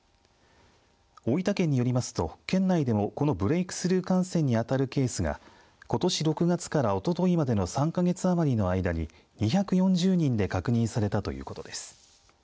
大分県によりますと県内でもこのブレイクスルー感染に当たるケースが、ことし６月からおとといまでの３か月余りの間に２４０人で確認されたということです。